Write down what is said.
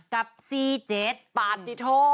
๙๔๕กับ๔๗บ๊าตดิโท